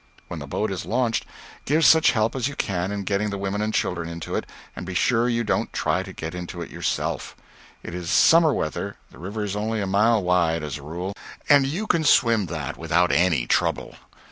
When the boat is launched, give such help as you can in getting the women and children into it, and be sure you don't try to get into it yourself. It is summer weather, the river is only a mile wide, as a rule, and you can swim that without any trouble."